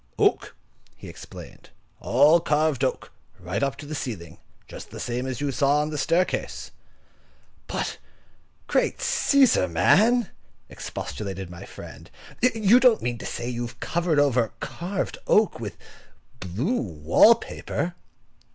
"Oak," he explained. "All carved oak, right up to the ceiling, just the same as you saw on the staircase." "But, great Cæsar! man," expostulated my friend; "you don't mean to say you have covered over carved oak with blue wall paper?"